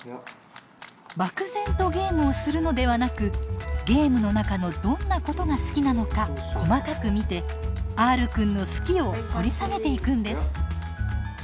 漠然とゲームをするのではなくゲームの中のどんなことが好きなのか細かく見てＲくんの「好き」を掘り下げていくんです。